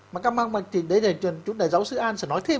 mà các máu mạch thì chúng ta giáo sư an sẽ nói thêm